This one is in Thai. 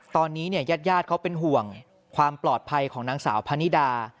ตอนนี้เนี่ยญาติเขาเป็นห่วงความปลอดภัยของนางสาวพะนิดา